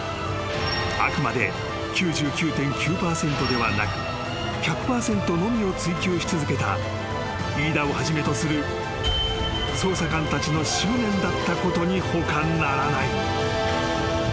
［あくまで９９．９％ではなく１００％のみを追求し続けた飯田をはじめとする捜査官たちの執念だったことに他ならない］